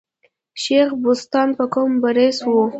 شېخ بُستان په قوم بړیڅ وو.